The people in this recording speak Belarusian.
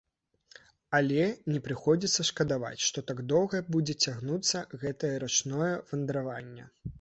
Але не прыходзіцца шкадаваць, што так доўга будзе цягнуцца гэтае рачное вандраванне.